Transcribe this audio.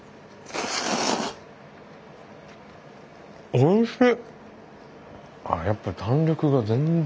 おいしい！